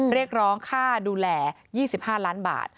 เรียกร้องค่าดูแล๒๕ล้านบาท